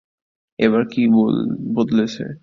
এবার কী বদলেছে?